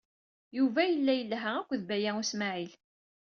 Yuba yella yelha akked Baya U Smaɛil.